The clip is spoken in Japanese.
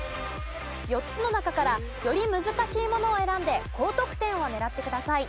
４つの中からより難しいものを選んで高得点を狙ってください。